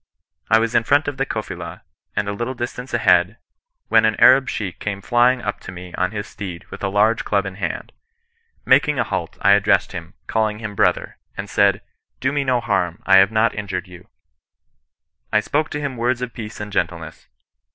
I was in front of the Kofila, and a little distance ahead, when an Arab Sheik came fiying up to me on his steed with a large club in his hand. Making a halt, I addressed him, calling him brother; and said, ' Do me no harm, I have not injured you.' " I spoke to him words of peace and gentleness.